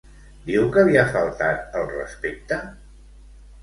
Diu que li ha faltat al respecte?